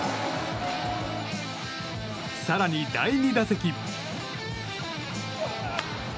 更に第２打席。